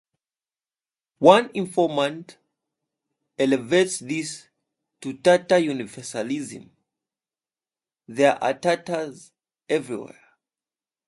One informant elevates this to Tatar universalism: There are Tatars everywhere.